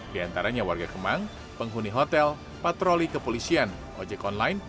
di antaranya warga kemang penghuni hotel patroli kepolisian ojek online